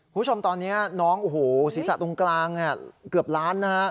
ผู้ชมตอนนี้สีสะตรงกลางเกือบล้าน